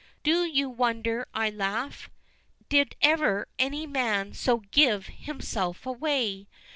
Do you wonder I laugh? Did ever any man so give himself away?